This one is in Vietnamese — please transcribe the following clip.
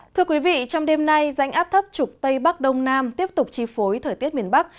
thưa quý vị trong đêm nay rãnh áp thấp trục tây bắc đông nam tiếp tục chi phối thời tiết miền bắc